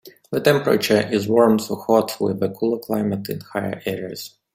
The temperature is warm to hot, with a cooler climate in higher areas.